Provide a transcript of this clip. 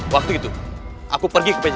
waktu itu aku pergi ke penjara